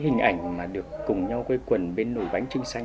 hình ảnh mà được cùng nhau quây quần bên nồi bánh trưng xanh